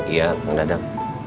iya bang dadam